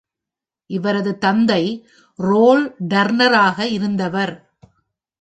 இவரது தந்தை ரோல் டர்ணராக இருந்தவர்.